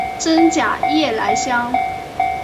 滇假夜来香